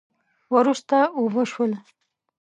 وروسته اوبه شول